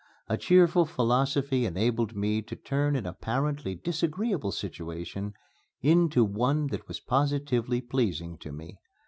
A cheerful philosophy enabled me to turn an apparently disagreeable situation into one that was positively pleasing to me.